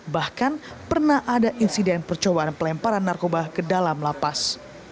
bahkan pernah ada insiden percobaan pelemparan narkoba ke dalam lapas